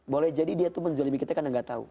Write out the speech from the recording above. boleh jadi dia tuh menzolimi kita karena gak tahu